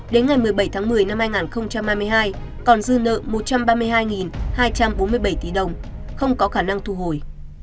đến ngày một mươi bảy tháng một mươi năm hai nghìn hai mươi hai còn dư nợ một trăm ba mươi hai hai trăm bốn mươi bảy tỷ đồng không có khả năng thu hồi